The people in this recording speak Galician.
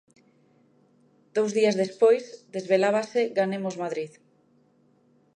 Dous días despois, desvelábase Ganemos Madrid.